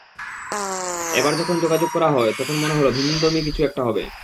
এবার যখন যোগাযোগ করা হয়, তখন মনে হলো ভিন্নধর্মী কিছু একটা হবে।